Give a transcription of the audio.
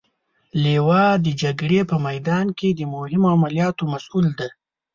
لوا د جګړې په میدان کې د مهمو عملیاتو مسئول دی.